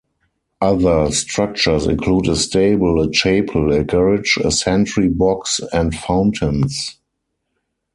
Other structures include a stable, a chapel, a garage, a sentry box and fountains.